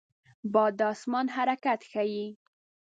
باد د آسمان حرکت ښيي